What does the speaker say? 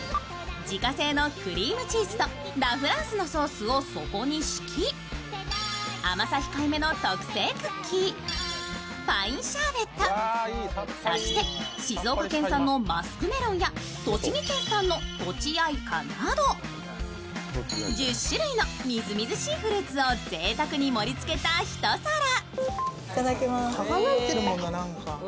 自家製のクリームチーズとラ・フランスのソースを底に敷き、甘さ控えめの特製クッキー、パインシャーベット、そして静岡県産のマスクメロンや栃木県産のとちあいかなど、１０種類のみずみずしいフルーツをぜいたくに盛り付けた一皿。